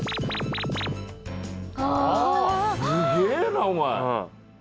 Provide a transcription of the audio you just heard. すげえなお前。